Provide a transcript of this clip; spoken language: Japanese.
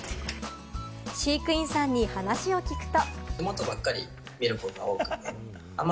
飼育員さんに話を聞くと。